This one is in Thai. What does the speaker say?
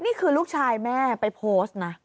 นี่คือลูกชายแม่ไปโพสต์นะ